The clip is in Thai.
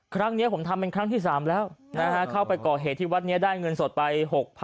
ครั้งนี้ผมทำเป็นครั้งที่๓แล้วเข้าไปก่อเหตุที่วัดนี้ได้เงินสดไป๖๐๐๐